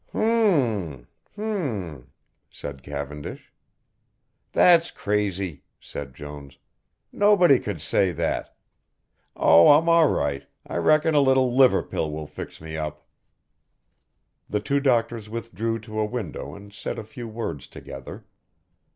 "H'm, h'm," said Cavendish. "That's crazy," said Jones, "nobody could say that Oh, I'm all right I reckon a little liver pill will fix me up." The two doctors withdrew to a window and said a few words together.